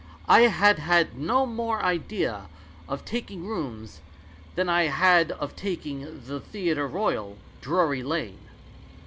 I had had no more idea of taking rooms than I had of taking the Theatre Royal, Drury Lane.